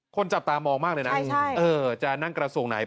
คนจับตามองมากเลยนะใช่ใช่เออจะนั่งกระสุนไหน